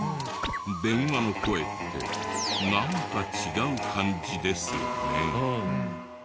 電話の声ってなんか違う感じですよね。